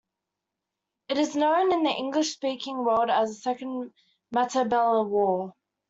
It is also known in the English speaking world as the Second Matabele War.